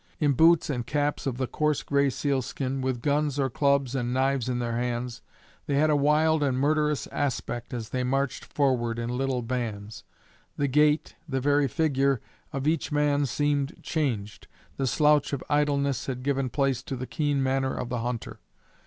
In boots and caps of the coarse gray seal skin, with guns or clubs and knives in their hands, they had a wild and murderous aspect as they marched forward in little bands. The gait, the very figure, of each man seemed changed; the slouch of idleness had given place to the keen manner of the hunter.